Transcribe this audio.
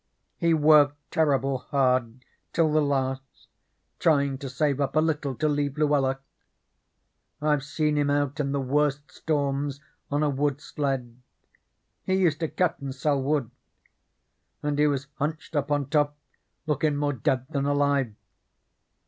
He worked terrible hard till the last trying to save up a little to leave Luella. I've seen him out in the worst storms on a wood sled he used to cut and sell wood and he was hunched up on top lookin' more dead than alive.